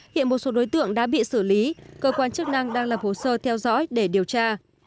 hiện một số đối tượng đã bị xử lý cơ quan chức năng đang lập hồ sơ theo dõi để điều tra